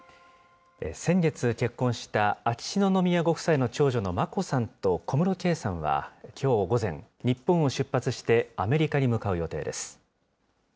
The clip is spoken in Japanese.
先月結婚した秋篠宮ご夫妻の長女の眞子さんと小室圭さんはきょう午前、日本を出発して、アメリカに向かう予定です。